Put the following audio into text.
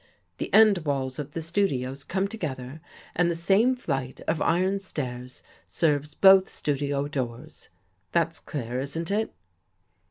The end walls of the studios come together and the same flight of iron stairs serves both studio doors. That's clear, isn't it?